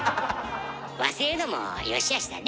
忘れるのもよしあしだね。